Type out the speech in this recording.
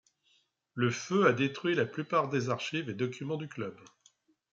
Le feu a détruit la plupart des archives et documents du club.